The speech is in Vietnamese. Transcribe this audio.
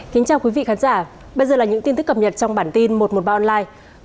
kính chào quý vị khán giả bây giờ là những tin tức cập nhật trong bản tin một trăm một mươi ba online